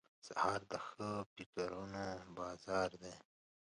سهار د ښه فکرونو بازار دی.